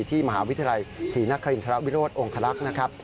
ที่มหาวิทยาลัยศรีนักศิลปินธรรมวิโรธองค์ฮลักษณ์นะครับ